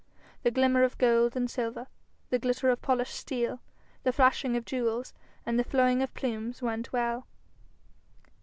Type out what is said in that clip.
The glimmer of gold and silver, the glitter of polished steel, the flashing of jewels, and the flowing of plumes, went well.